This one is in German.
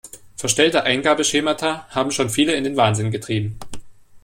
Verstellte Eingabeschemata haben schon viele in den Wahnsinn getrieben.